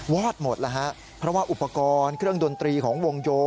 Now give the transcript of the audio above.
อดหมดแล้วฮะเพราะว่าอุปกรณ์เครื่องดนตรีของวงโย